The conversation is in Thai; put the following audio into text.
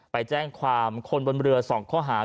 ไปแจ้งความคนบนเรือส่องค้า